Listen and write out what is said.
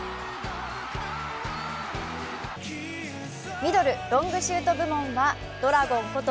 ミドル・ロングシュート部門はドラゴンこと